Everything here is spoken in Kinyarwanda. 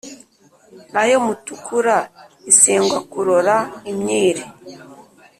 Nayo Mutukura* isengwa kurora imyiri*.